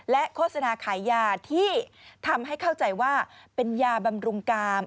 โฆษณาขายยาที่ทำให้เข้าใจว่าเป็นยาบำรุงกาม